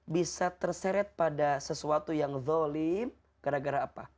bisa terseret pada sesuatu yang zolim gara gara apa